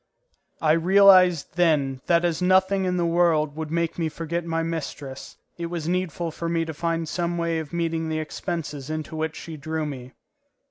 I realized then that as nothing in the world would make me forget my mistress, it was needful for me to find some way of meeting the expenses into which she drew me.